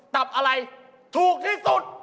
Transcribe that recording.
ตับอะไรถูกที่สุด